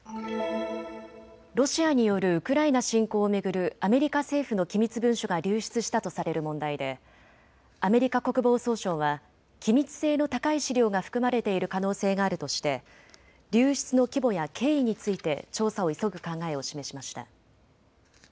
ロシアによるウクライナ侵攻を巡るアメリカ政府の機密文書が流出したとされる問題でアメリカ国防総省は機密性の高い資料が含まれている可能性があるとして流出の規模や経緯について調査を急ぐ考えを示しました。